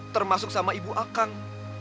termasuk sama ibu akang